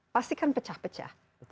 pasti kan pecah pecah